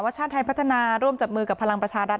ชาติไทยพัฒนาร่วมจับมือกับพลังประชารัฐ